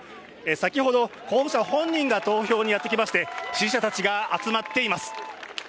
先ほど、候補者本人が投票にやってきまして支持者たちが集まっています。